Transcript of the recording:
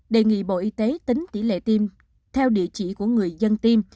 đề nghị bộ y tế tính tỷ lệ tiêm theo địa chỉ của người dân tiêm